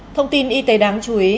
thông tin y tế đáng chú ý